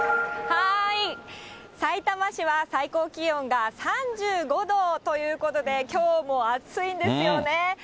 さいたま市は最高気温が３５度ということで、きょうも暑いんですよね。